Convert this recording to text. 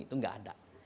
itu gak ada